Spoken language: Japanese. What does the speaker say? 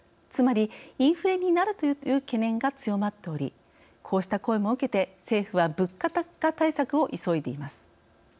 つまりインフレになるという懸念が強まっておりこうした声も受けて、政府は物価高対策を急いでいます。